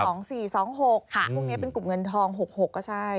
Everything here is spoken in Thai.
พวกนี้เป็นกลุ่มเงินทอง๖๖ก็ใช่